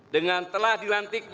dengan telah dilaksanakan